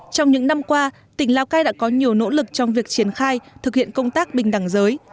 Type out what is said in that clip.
trong những năm qua tỉnh lào cai đã có nhiều nỗ lực trong việc triển khai thực hiện công tác bình đẳng giới